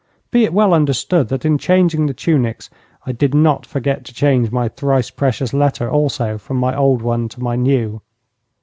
Be it well understood that in changing the tunics I did not forget to change my thrice precious letter also from my old one to my new.